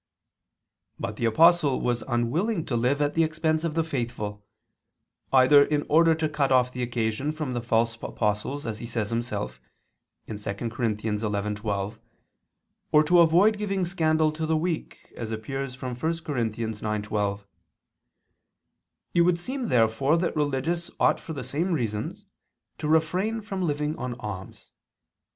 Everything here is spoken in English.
But the Apostle was unwilling to live at the expense of the faithful, either in order to cut off the occasion from the false apostles as he himself says (2 Cor. 11:12), or to avoid giving scandal to the weak, as appears from 1 Cor. 9:12. It would seem therefore that religious ought for the same reasons to refrain from living on alms.